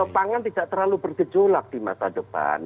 pangan tidak terlalu bergejolak di masa depan